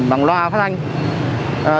bằng loa phát anh